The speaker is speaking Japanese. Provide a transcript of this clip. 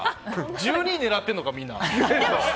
１２位狙っているのか、みんな。